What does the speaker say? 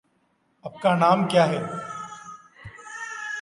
बसपा में तमाशा जुड़े हाथ का